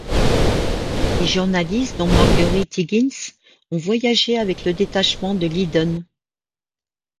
Les journalistes, dont Marguerite Higgins, ont voyagé avec le détachement de Linden.